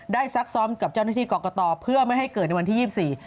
ได้ซักซ้อมกับเจ้าหน้าที่กรกฎเพื่อไม่ให้เกิดในวันที่๒๔